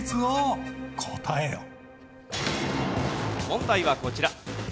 問題はこちら。